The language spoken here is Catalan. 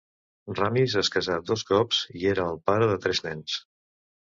Ramis es casà dos cops i era el pare de tres nens.